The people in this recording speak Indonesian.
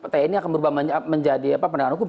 tni akan berubah menjadi pendanaan hukum